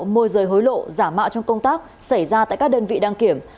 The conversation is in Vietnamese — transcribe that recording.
môi rời hối lộ giả mạo trong công tác xảy ra tại các đơn vị đăng kiểm